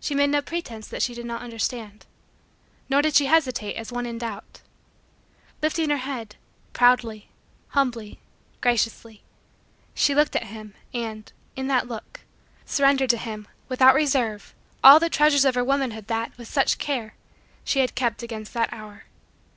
She made no pretense that she did not understand, Nor did she hesitate as one in doubt. Lifting her head, proudly, humbly, graciously, she looked at him and, in that look, surrendered to him, without reserve, all the treasures of her womanhood that, with such care, she had kept against that hour.